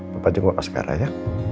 papa jenguk askara ya